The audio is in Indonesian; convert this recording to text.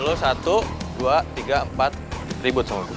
lo satu dua tiga empat ribut sama gue